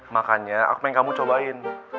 makanya aku pengen kamu cobain